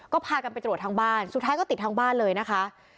ก็พากันไปตรวจทั้งบ้านสุดท้ายก็ติดทั้งบ้านเลยนะคะ